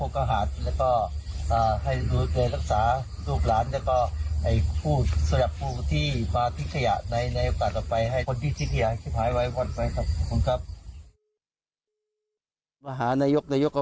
จะทำอย่างไรก็จนบรรยาและจนทำพิธีสาบแช่งอย่างนี้